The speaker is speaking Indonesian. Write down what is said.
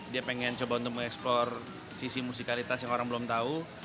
dia pengen coba untuk mengeksplor sisi musikalitas yang orang belum tahu